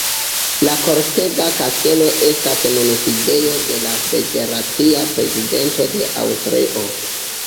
La Kortega Kastelo estas nun la sidejo de la federacia prezidento de Aŭstrio.